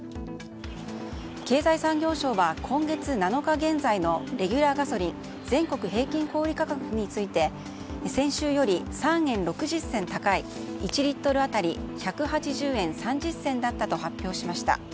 経済産業省は、今月７日現在のレギュラーガソリン全国平均小売価格について先週より３円６０銭高い１リットル当たり１８０円３０銭だったと発表しました。